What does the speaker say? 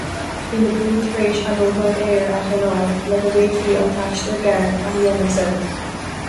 Bhí na boinn tar éis a ndóthain aeir a choinneáil le go bhféadfaí an t-aistear gearr a dhéanamh soir.